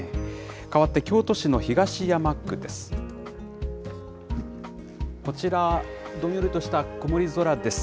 変わって、京都市の東山区です。